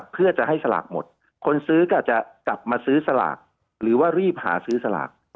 เพื่อจะให้สลากหมดคนซื้อก็อาจจะกลับมาซื้อสลากหรือว่ารีบหาซื้อสลาก